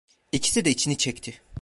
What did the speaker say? İkisi de içini çekti.